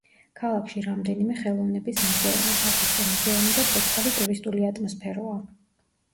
ქალაქში რამდენიმე ხელოვნების მუზეუმი, საფოსტო მუზეუმი და ცოცხალი ტურისტული ატმოსფეროა.